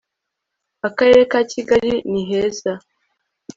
akarere ka kigali ni heza